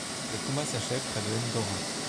Les combats s'achève près de Ndora.